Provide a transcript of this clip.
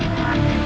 aku akan menang